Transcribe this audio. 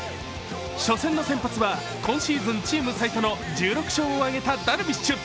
初戦の先発は、今シーズンチーム最多の１６勝を挙げたダルビッシュ。